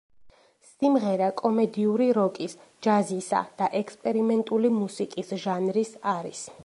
სიმღერა კომედიური როკის, ჯაზისა და ექსპერიმენტული მუსიკის ჟანრის არის.